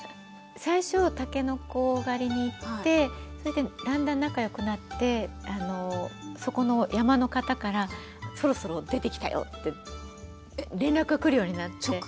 最初たけのこ狩りに行ってだんだん仲良くなってそこの山の方から「そろそろ出てきたよ」って連絡が来るようになって。